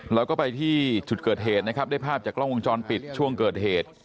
เราก็ไปที่จุดเกิดเหตุนะครับได้ภาพจากกล้องวงจรปิดช่วงเกิดเหตุ